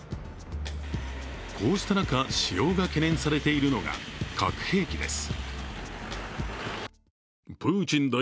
こうした中、使用が懸念されているのが核兵器です。